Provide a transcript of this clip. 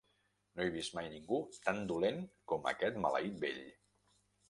No he vist mai ningú tan dolent com aquest maleit vell!